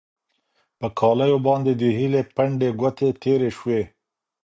پر کالیو باندې د هیلې پنډې ګوتې تېرې شوې.